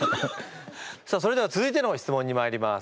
さあそれでは続いての質問にまいります。